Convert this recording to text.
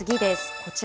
こちら。